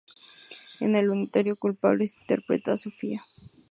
En el unitario "Culpables" interpretaba a Sofía.